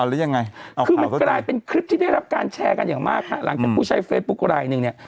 คือมันกลายเป็นคลิปที่ได้รับการแชร์กันอย่างมากหลังจากผู้ใช้เฟซบุ๊คอะไรอีกนึงเนี่ย